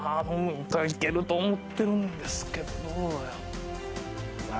いけると思ってるんですけどどうなんやろ。さあ。